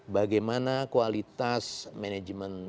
bagaimana kualitas manajemen pesawat